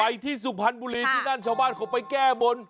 ที่สุพรรณบุรีที่นั่นชาวบ้านเขาไปแก้บน